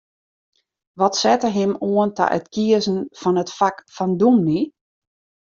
Wat sette him oan ta it kiezen fan it fak fan dûmny?